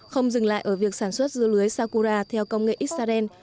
không dừng lại ở việc sản xuất dưa lưới sakura theo công nghệ israel